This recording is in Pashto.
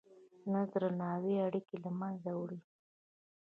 نه درناوی اړیکې له منځه وړي.